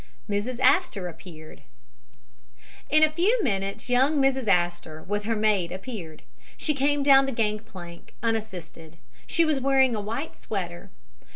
MRS. ASTOR APPEARED In a few minutes young Mrs. Astor with her maid appeared. She came down the gangplank unassisted. She was wearing a white sweater.